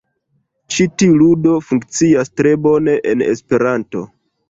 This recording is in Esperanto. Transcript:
Ĉi tiu ludo funkcias tre bone en Esperanto.